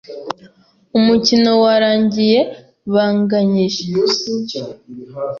Umukino warangiye banganyije.